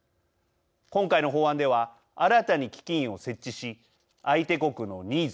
今回の法案では新たに基金を設置し相手国のニーズ